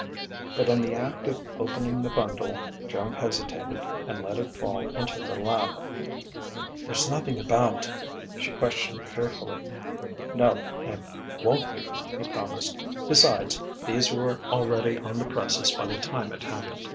But in the act of opening the bundle, Joan hesitated and let it fall into her lap. "There's nothing about ?" she questioned fearfully. "No, and won't be," he promised. "Besides, these were already on the presses by the time it happened....